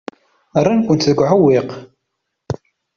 Rran-kent deg uɛewwiq.